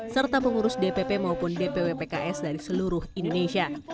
serta pengurus dpp maupun dpw pks dari seluruh indonesia